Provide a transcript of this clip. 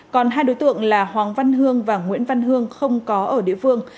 còn hai đối tượng là hoàng văn hương và nguyễn văn hương không có ở địa phương